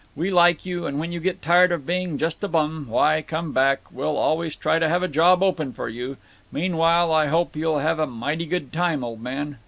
We like you, and when you get tired of being just a bum, why, come back; we'll always try to have a job open for you. Meanwhile I hope you'll have a mighty good time, old man.